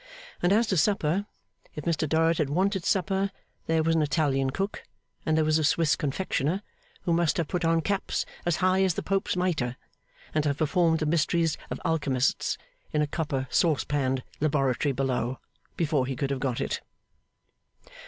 And as to supper! If Mr Dorrit had wanted supper, there was an Italian cook and there was a Swiss confectioner, who must have put on caps as high as the Pope's Mitre, and have performed the mysteries of Alchemists in a copper saucepaned laboratory below, before he could have got it.